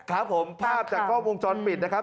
ครับผมภาพจากก้อวงช้อนมิตรนะครับ